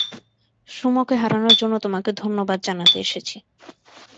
সুমোকে হারানোর জন্য তোমাকে ধন্যবাদ জানাতে এসেছি।